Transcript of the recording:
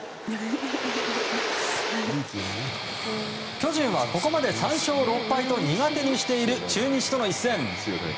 巨人はここまで３勝６敗と苦手にしている中日との一戦。